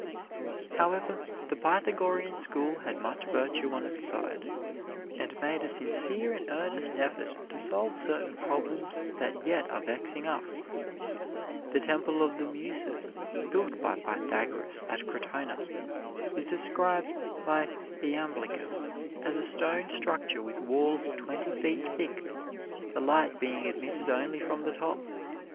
However, the Pythagorean School had much virtue on its side, and made a sincere and earnest effort to solve certain problems that yet are vexing us. The Temple of the Muses, built by Pythagoras at Crotona, is described by Iamblichus as a stone structure with walls twenty feet thick, the light being admitted only from the top.